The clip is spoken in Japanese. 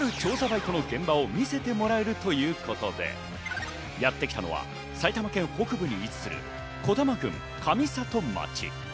バイトの現場を見せてもらえるということで、やってきたのは埼玉県北部に位置する児玉郡上里町。